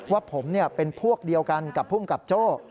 ว่าผมเป็นพวกเดียวกันกับภูมิกับโจ้